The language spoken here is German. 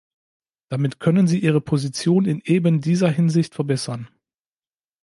Damit können sie ihre Position in eben dieser Hinsicht verbessern.